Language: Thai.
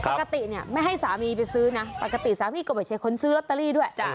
ปกติเนี่ยไม่ให้สามีไปซื้อนะปกติสามีก็ไม่ใช่คนซื้อลอตเตอรี่ด้วย